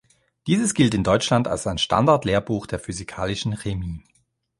Dieses gilt in Deutschland als ein Standardlehrbuch der Physikalischen Chemie.